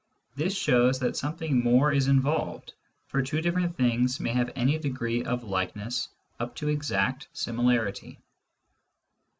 This shows that something more is involved, for two different things may have any degree of likeness up to exact similarity.